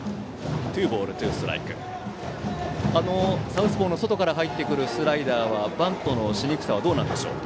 サウスポーの外から入ってくるスライダーはバントのしにくさはどうなんでしょう。